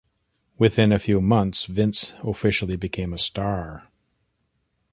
Within a few months, Vince officially became a star.